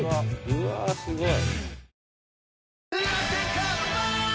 うわーすごい。